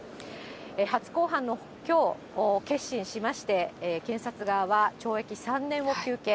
初公判のきょう、結審しまして、検察側は、懲役３年を求刑。